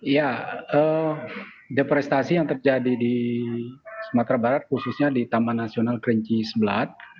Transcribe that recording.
ya depresiasi yang terjadi di sumatera barat khususnya di taman nasional kerinci sebelat